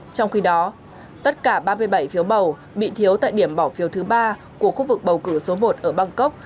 trong khi đó tất cả ba mươi bảy phiếu bầu bị thiếu tại điểm bỏ phiếu thứ ba của khu vực bầu cử số một ở bangkok